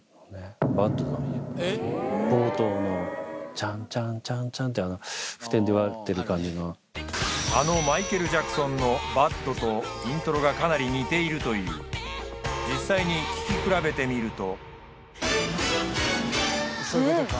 チャンチャンチャンチャンあのマイケル・ジャクソンの『ＢＡＤ』とイントロがかなり似ているという実際に聴き比べてみると